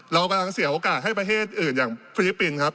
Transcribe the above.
เรากำลังเสียโอกาสให้ประเทศอื่นอย่างฟิลิปปินส์ครับ